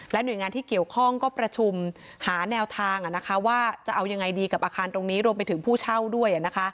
หน่วยงานที่เกี่ยวข้องก็ประชุมหาแนวทางว่าจะเอายังไงดีกับอาคารตรงนี้รวมไปถึงผู้เช่าด้วย